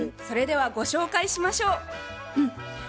それではご紹介しましょう。